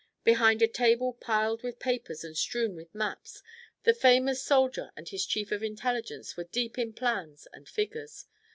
Behind a table piled with papers and strewn with maps the famous soldier and his Chief of Intelligence were deep in plans and figures.